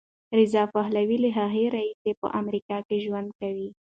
رضا پهلوي له هغې راهیسې په امریکا کې ژوند کوي.